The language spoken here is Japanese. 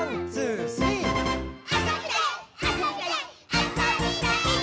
あそびたいっ！」